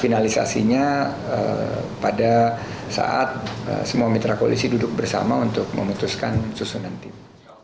finalisasinya pada saat semua mitra koalisi duduk bersama untuk memutuskan susunan tim